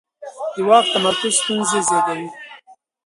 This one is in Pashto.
د واک تمرکز ستونزې زېږوي